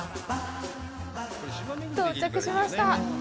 到着しました。